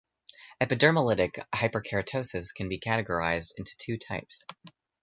Epidermolytic hyperkeratosis can be categorized into two types.